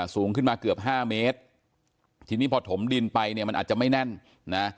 สูงขึ้นมาเกือบห้าเมตรทีนี้พอถมดินไปเนี่ยมันอาจจะไม่แน่นนะ